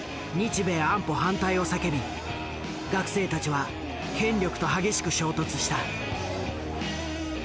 日米安保反対を叫び学生たちは権力と激しく衝突した。